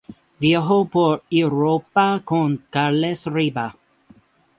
Viajó por Europa con Carles Riba.